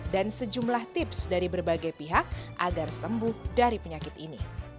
dan sejumlah tips dari berbagai pihak agar sembuh dari penyakit ini